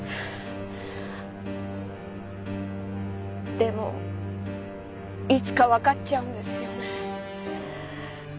でもいつかわかっちゃうんですよね。